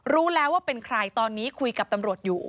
รู้แล้วว่าเป็นใครตอนนี้คุยกับตำรวจอยู่